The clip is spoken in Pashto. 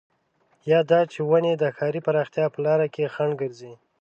يا دا چې ونې د ښاري پراختيا په لاره کې خنډ ګرځي.